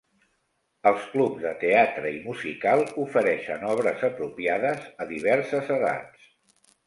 Els clubs de teatre i musical ofereixen obres apropiades a diverses edats.